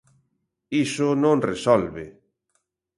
Iso non resolve.